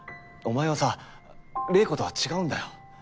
お前はさ玲子とは違うんだよ。